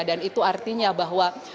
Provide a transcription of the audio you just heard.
dan itu artinya bahwa